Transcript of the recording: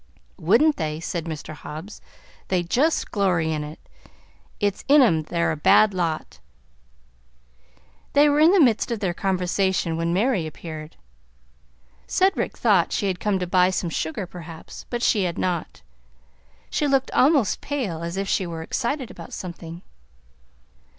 "Wouldn't they!" said Mr. Hobbs. "They just glory in it! It's in 'em. They're a bad lot." They were in the midst of their conversation, when Mary appeared. Cedric thought she had come to buy some sugar, perhaps, but she had not. She looked almost pale and as if she were excited about something.